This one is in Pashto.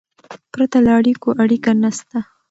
پرته له اړیکو، اړیکه نسته.